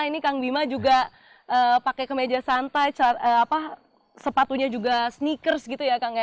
ini kang bima juga pakai kemeja santai sepatunya juga sneakers gitu ya kang